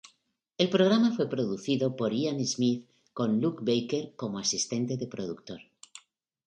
El programa fue producido por Ian Smith con Luke Baker como asistente de productor.